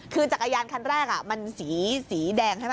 คือจักรยานคันแรกมันสีแดงใช่ไหม